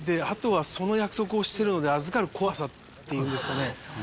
あとはその約束をしているので預かる怖さっていうんですかね。